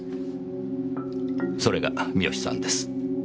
それが三好さんです。